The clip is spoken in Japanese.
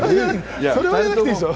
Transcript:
それは言わなくていいでしょ。